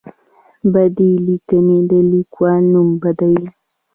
بدې لیکنې د لیکوال نوم بدوي.